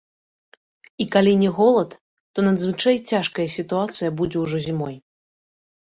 І калі не голад, то надзвычай цяжкая сітуацыя будзе ўжо зімой.